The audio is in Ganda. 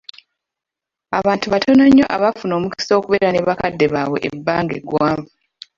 Abantu batono nnyo abafuna omukisa okubeera ne bakadde baabwe ebbanga eggwanvu .